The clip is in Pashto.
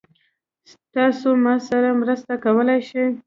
تاسو ما سره مرسته کولی شئ؟